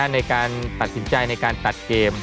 ในการตัดสินใจในการตัดเกม